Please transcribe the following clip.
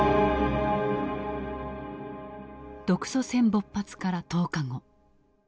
独ソ戦勃発から１０日後。